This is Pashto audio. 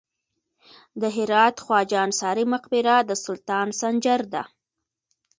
د هرات خواجه انصاري مقبره د سلطان سنجر ده